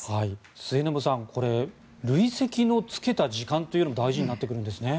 末延さんこれ累積の着けた時間というのが大事になってくるんですね。